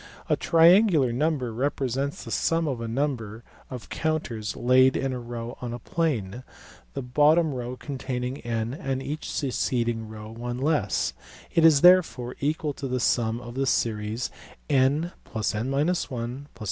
A triangular number represents the sum of a number of counters laid in rows on a plane ; the bottom row containing n y and each succeeding row one less ; it is therefore equal to the sum of the series n + (n 1)+ (r& 2) +...